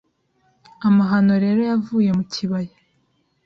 Amahano rero yavuye mu kibaya